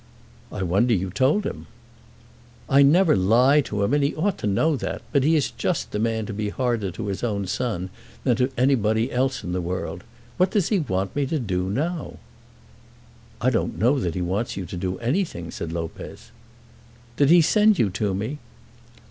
"I wonder you told him." "I never lie to him, and he ought to know that. But he is just the man to be harder to his own son than to anybody else in the world. What does he want me to do now?" "I don't know that he wants you to do anything," said Lopez. "Did he send you to me?"